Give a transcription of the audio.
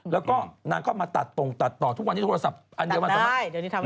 แล้วก็นางก็มาตัดตรงตัดต่อทุกวันนี้โทรศัพท์อันเดียวมันสามารถ